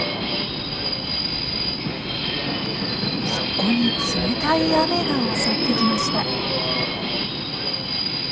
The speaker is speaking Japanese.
そこに冷たい雨が襲ってきました。